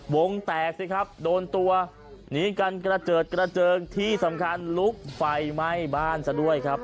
วงแตกสิครับโดนตัวหนีกันกระเจิดกระเจิงที่สำคัญลุกไฟไหม้บ้านซะด้วยครับ